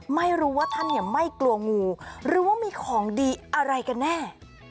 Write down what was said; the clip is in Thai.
ไม่รู้ว่าท่านเนี่ยไม่กลัวงูหรือว่ามีของดีอะไรกันแน่